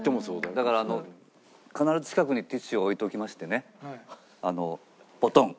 だから必ず近くにティッシュを置いておきましてねボトン。